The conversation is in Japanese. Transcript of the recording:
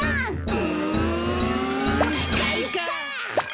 うんかいか！